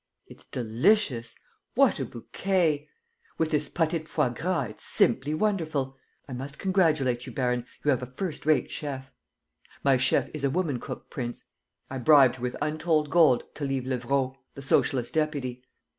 "It's delicious. ... What a bouquet! ... With this pâté de foie gras, it's simply wonderful! ... I must congratulate you, baron; you have a first rate chef." "My chef is a woman cook, prince. I bribed her with untold gold to leave Levraud, the socialist deputy.